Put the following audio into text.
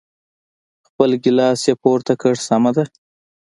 خپل ګیلاس یې پورته کړ، سمه ده.